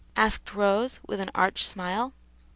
asked Rose, with an arch smile.